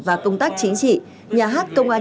và công tác chính trị nhà hát công an